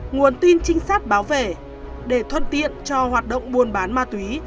nguồn tin trinh sát báo về để thuận tiện cho hoạt động buôn bán ma túy